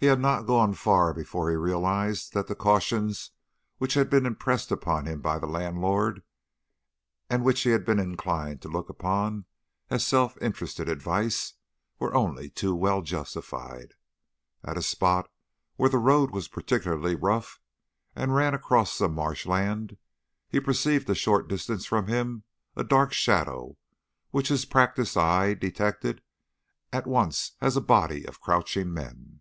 "He had not gone far before he realised that the cautions which had been impressed upon him by the landlord, and which he had been inclined to look upon as self interested advice, were only too well justified. At a spot where the road was particularly rough, and ran across some marsh land, he perceived a short distance from him a dark shadow, which his practised eye detected at once as a body of crouching men.